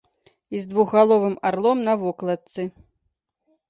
І з двухгаловым арлом на вокладцы.